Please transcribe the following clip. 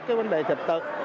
cái vấn đề thực tật